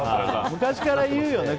昔から言うよね。